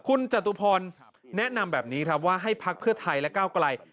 คุณจตุพรแนะนำแบบนี้ครับว่าให้พักเพื่อไทยและก้าวไกล